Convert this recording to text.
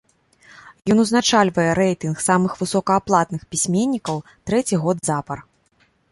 Ён узначальвае рэйтынг самых высокааплатных пісьменнікаў трэці год запар.